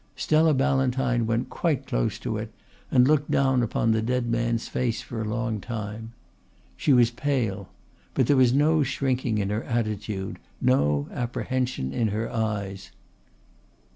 Stella Ballantyne went quite close to it and looked down upon the dead man's face for a long time. She was pale, but there was no shrinking in her attitude no apprehension in her eyes.